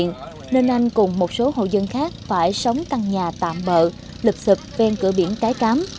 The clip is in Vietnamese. nên anh cùng một số hộ dân khác phải sống căn nhà tạm bợ lịch sụp ven cửa biển cái cám